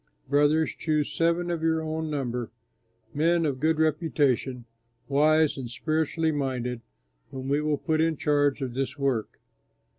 Brothers, choose seven of your own number, men of good reputation, wise and spiritually minded, whom we will put in charge of this work.